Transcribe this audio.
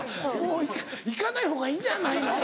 もう行かないほうがいいんじゃないの？